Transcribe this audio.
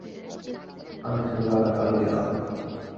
আমি দুর্ভাগা কালো বিড়াল।